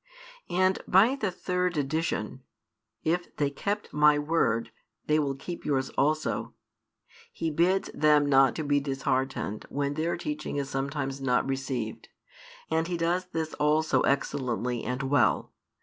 And by the third addition, If they kept My word, they will keep yours also, He bids them not to be disheartened when their teaching is sometimes not received; and He does this also excellently and well.